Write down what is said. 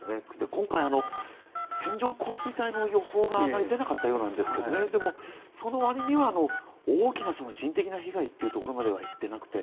今回、線状降水帯の予報があまり出なかったようなんですがでも、その割には大きな人的な被害というところまではいってなくて。